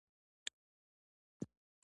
َد پښتو څانګې ډائرکټر مقرر شو